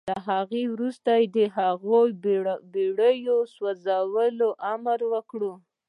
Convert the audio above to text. له هغه وروسته يې د هغو بېړيو د سوځولو امر وکړ.